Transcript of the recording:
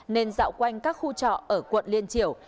nên dạo quanh các khu trọ ở quận liên triều